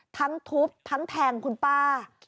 ทั้งทุบทั้งแทงคุณป้า